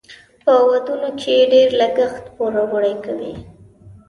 په ودونو کې ډیر لګښت پوروړي کوي.